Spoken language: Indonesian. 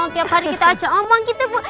tiap hari kita acak omong gitu bu